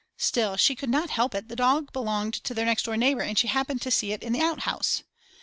Still, she could not help it, the dog belonged to their next door neighbour and she happened to see it in the out house.